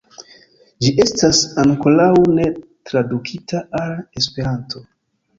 Ĝi estas ankoraŭ ne tradukita al Esperanto.